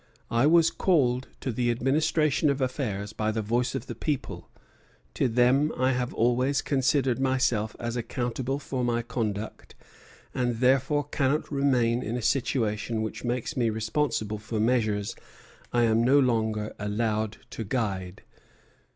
I was called to the administration of affairs by the voice of the people; to them I have always considered myself as accountable for my conduct; and therefore cannot remain in a situation which makes me responsible for measures I am no longer allowed to guide."